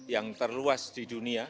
yang terluas di dunia